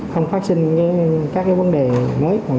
không phát sinh các vấn đề mới